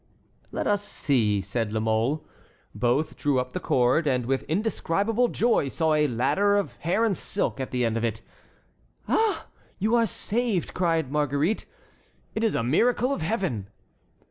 "Let us see," said La Mole. Both drew up the cord, and with indescribable joy saw a ladder of hair and silk at the end of it. "Ah! you are saved," cried Marguerite. "It is a miracle of heaven!"